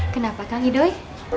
kenapa kang idoi